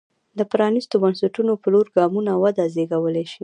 د پرانېستو بنسټونو په لور ګامونه وده زېږولی شي.